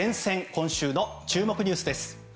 今週の注目ニュースです。